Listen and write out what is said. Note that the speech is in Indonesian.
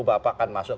bapak akan masuk